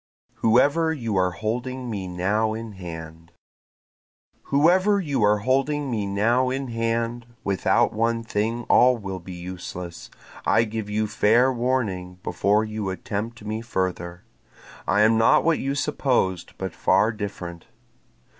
Whoever You Are Holding Me Now in Hand Whoever you are holding me now in hand, Without one thing all will be useless, I give you fair warning before you attempt me further, I am not what you supposed, but far different.